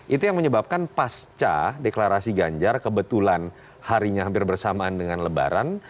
itu yang menyebabkan pasca deklarasi ganjar kebetulan harinya hampir bersamaan dengan lebaran